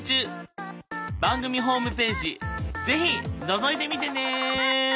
番組ホームページ是非のぞいてみてね。